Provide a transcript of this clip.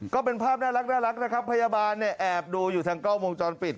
ก็เป็นภาพน่ารักนะครับพยาบาลเนี่ยแอบดูอยู่ทางกล้องวงจรปิด